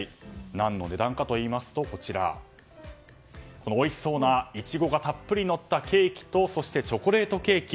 何の値段かといいますとおいしそうなイチゴがたっぷりのったケーキとそしてチョコレートケーキ。